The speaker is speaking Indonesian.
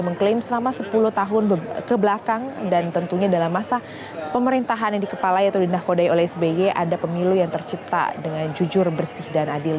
mengklaim selama sepuluh tahun kebelakang dan tentunya dalam masa pemerintahan yang dikepalai atau dinakodai oleh sby ada pemilu yang tercipta dengan jujur bersih dan adil